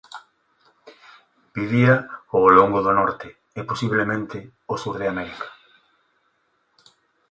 Vivía ó longo do Norte e posiblemente o sur de América.